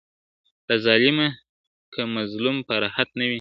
له ظالمه که مظلوم په راحت نه وي `